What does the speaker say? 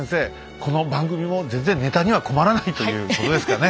この番組も全然ネタには困らないということですかね。